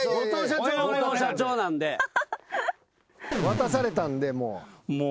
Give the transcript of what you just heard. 渡されたんでもう。